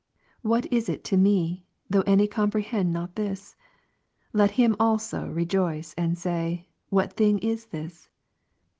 What is it to me, though any comprehend not this'^? Let him also rejoice and Kx. 16, say, What thing is this?